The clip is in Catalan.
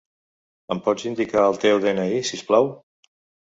Em pots indicar el teu de-ena-i, si us plau?